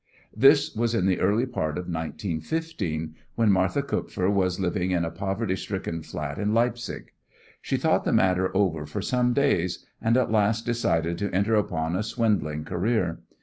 This was in the early part of 1915, when Martha Kupfer was living in a poverty stricken flat in Leipzig. She thought the matter over for some days, and at last decided to enter upon a swindling career.